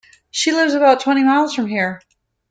She lives about twenty miles from here.